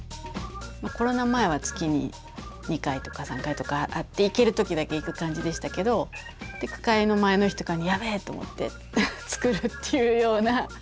コロナ前は月に２回とか３回とかあって行ける時だけ行く感じでしたけど句会の前の日とかに「やべえ！」と思って作るっていうようなそういう方式ですね。